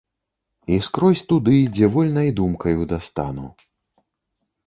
І скрозь туды, дзе вольнай думкаю дастану.